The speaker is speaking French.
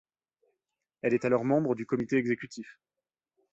Elle est alors membre du comité exécutif.